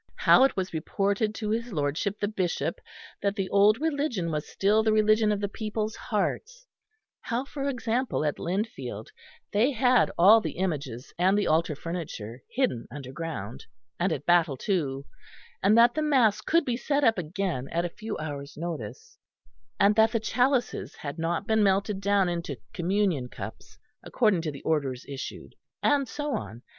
How it was reported to his lordship the Bishop that the old religion was still the religion of the people's hearts how, for example, at Lindfield they had all the images and the altar furniture hidden underground, and at Battle, too; and that the mass could be set up again at a few hours' notice: and that the chalices had not been melted down into communion cups according to the orders issued, and so on.